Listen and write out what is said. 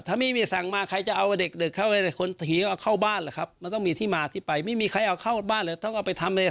ถ้าไม่มีสั่งมาใครจะเอาเด็กเข้าไปให้เขาบ้านเหรอครับ